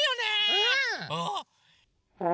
うん！